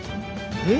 え？